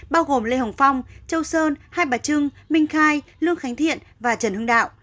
bao gồm lê hồng phong châu sơn hai bà trưng minh khai lương khánh thiện và trần hưng đạo